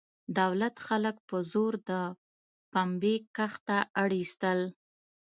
دولت خلک په زور د پنبې کښت ته اړ ایستل.